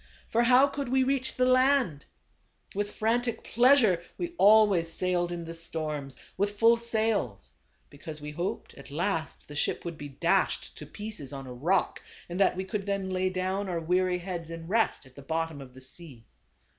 For how could we reach the land ? With frantic pleasure we always sailed in the storms, with full sails ; be cause we hoped at last, the ship would be dashed to pieces on a rock, and that we could then lay down our weary heads in rest, at the bottom of the sea.